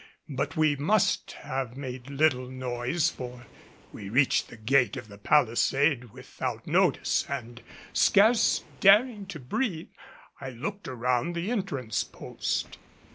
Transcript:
But we must have made little noise, for we reached the gate of the palisade without notice and scarce daring to breathe, I looked around the entrance post.